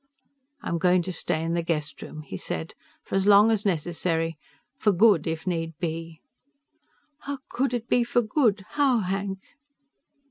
"I'm going to stay in the guest room," he said, "for as long as necessary. For good if need be." "How could it be for good? How, Hank?"